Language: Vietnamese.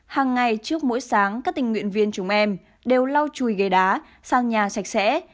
hàng ngày trước mỗi sáng các tình nguyện viên chúng em đều lau chùi ghế đá sang nhà sạch sẽ